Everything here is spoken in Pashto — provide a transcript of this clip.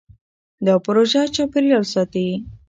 دا پروژه چاپېریال ساتي.